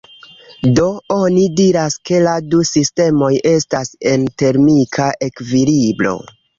Do oni diras ke la du sistemoj estas en termika ekvilibro.